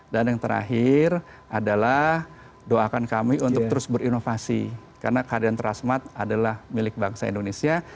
dan yang terakhir adalah doakan kami untuk terus berinovasi karena keadaan transmart adalah milik bangsa indonesia